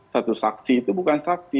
satu saksi itu bukan saksi